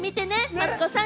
マツコさん。